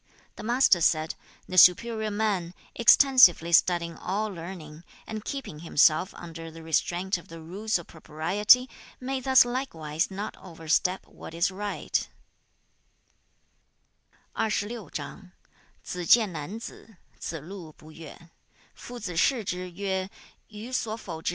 The Master said, 'The superior man, extensively studying all learning, and keeping himself under the restraint of the rules of propriety, may thus likewise not overstep what is right.'